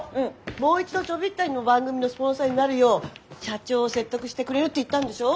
もう一度「ちょびっ旅」の番組のスポンサーになるよう社長を説得してくれるって言ったんでしょ。